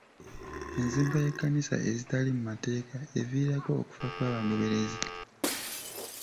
Enzimba y'ekkanisa ezitali mu mateeka eviirako okufa kw'abagoberezi.